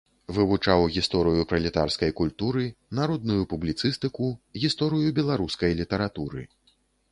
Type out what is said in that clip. Вывучаў гісторыю пралетарскай культуры, народную публіцыстыку, гісторыю беларускай літаратуры.